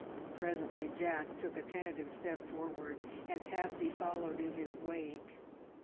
Presently Jack took a tentative step forward, and Patsie followed in his wake.